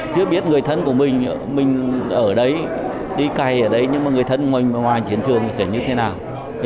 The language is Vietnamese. chứ biết người thân của mình mình ở đấy đi cày ở đấy nhưng mà người thân ngoài chiến trường sẽ như thế nào